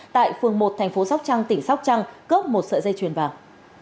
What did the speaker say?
tại phường một thành phố sóc trăng tỉnh sóc trăng cướp một sợi dây chuyền vàng